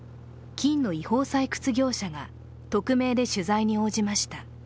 金の違法採掘業者が匿名で取材に応じました。